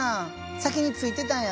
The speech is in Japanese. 先に着いてたんやね。